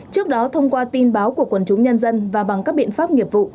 trước đó thông qua tin báo của quần chúng nhân dân và bằng các biện pháp nghiệp vụ